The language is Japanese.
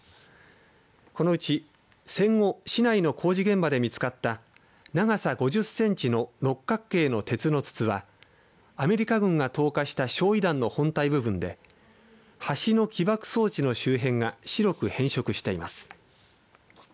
このうち戦後市内の工事現場で見つかった長さ５０センチの六角形の鉄の筒はアメリカ軍が投下した焼い弾の本体部分で端の起爆装置の周辺が白く変色しています。